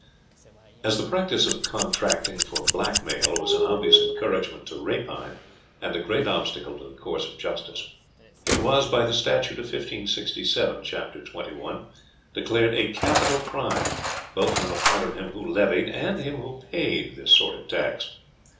As the practice of contracting for black mail was an obvious encouragement to rapine, and a great obstacle to the course of justice, it was, by the statute 1567, chap. 21, declared a capital crime both on the part of him who levied and him who paid this sort of tax.